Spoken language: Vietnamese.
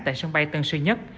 tại sân bay tân sư nhất